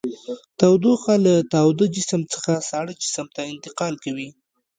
تودوخه له تاوده جسم څخه ساړه جسم ته انتقال کوي.